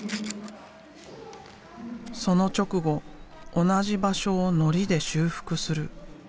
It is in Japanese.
その直後同じ場所をのりで修復する。